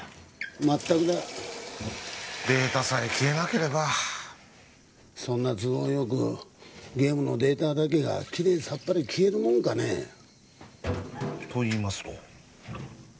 全くだデータさえ消えなければそんな都合よくゲームのデータだけがキレイさっぱり消えるもんかね？といいますと？